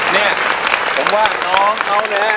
นี่ผมว่าน้องเค้านะคะ